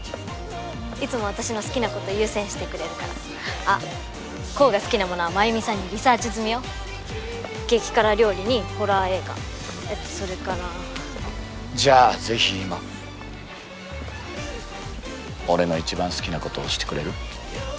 いつも私の好きなこと優先してくれるからあっ煌が好きなものは真弓さんにリサーチ済みよ激辛料理にホラー映画えっとそれからじゃあ是非今俺の一番好きなことをしてくれる？